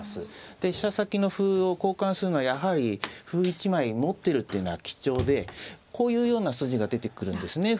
で飛車先の歩を交換するのはやはり歩１枚持ってるっていうのは貴重でこういうような筋が出てくるんですね。